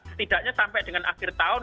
setidaknya sampai dengan akhir tahun